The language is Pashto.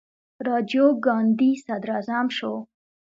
راجیو ګاندي صدراعظم شو.